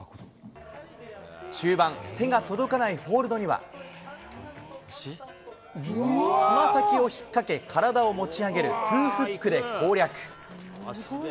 中盤、手が届かないホールドには。つま先を引っ掛け、体を持ち上げるトゥフックで攻略。